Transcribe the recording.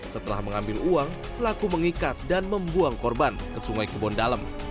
setelah mengambil uang pelaku mengikat dan membuang korban ke sungai kebondalem